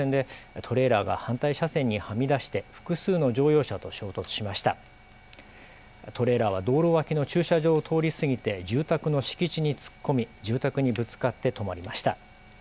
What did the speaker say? トレーラーは道路脇の駐車場を通り過ぎて住宅の敷地に突っ込み住宅にぶつかって止まりました。